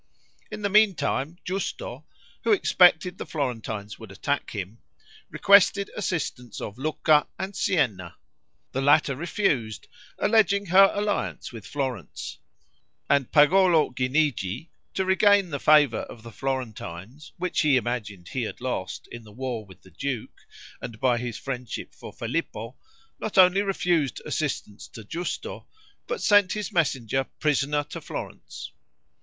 In the meantime, Giusto, who expected the Florentines would attack him, requested assistance of Lucca and Sienna. The latter refused, alleging her alliance with Florence; and Pagolo Guinigi, to regain the favor of the Florentines, which he imagined he had lost in the war with the duke and by his friendship for Filippo, not only refused assistance to Giusto, but sent his messenger prisoner to Florence.